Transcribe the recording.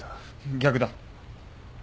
逆だ。